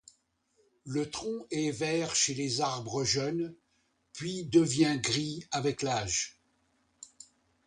Le tronc est vert chez les arbres jeunes, puis devient gris avec l’âge.